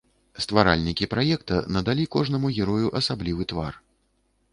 Стваральнікі праекта надалі кожнаму герою асаблівы твар.